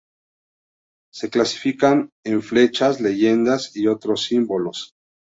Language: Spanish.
Se clasifican en flechas, leyendas y otros símbolos.